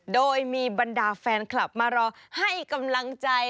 โดยมีบรรดาแฟนคลับมารอให้กำลังใจ